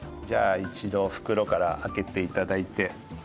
じゃあ一度袋からあけて頂いて。